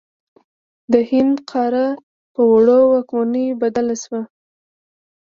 د هند قاره په وړو واکمنیو بدله شوه.